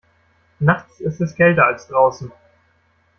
Nachts ist es kälter als draußen.